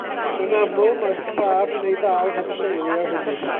Yn aml, mae'r claf yn ei ddal heb sylwi ar hynny.